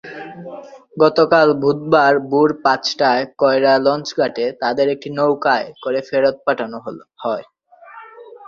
গতকাল বুধবার ভোর পাঁচটায় কয়রা লঞ্চঘাটে তাদের একটি নৌকায় করে ফেরত পাঠানো হয়।